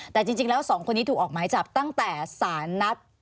แต่จริงแล้วสองคนนี้ถูกออกหมายจับตั้งแต่สารนัด